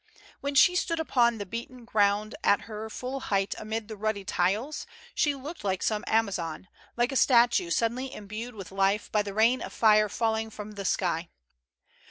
When she stood up on the beaten ground at her full height amid the ruddy tiles, she looked like some Amazon, like a statue suddenly imbued with life by the rain of fire falling from the sky.